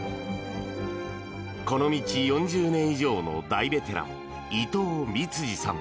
この道４０年以上の大ベテラン伊藤満次さん。